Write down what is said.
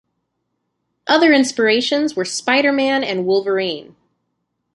Other inspirations were Spider-Man and Wolverine.